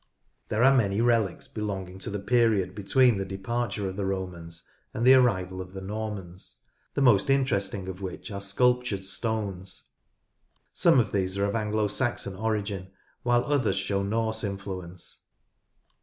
There are many relics belonging to the period between the departure of the Romans and the arrival of the Normans, the most interesting of which are sculptured stones. Some of these are of Anglo Saxon origin, while others show Norse influence.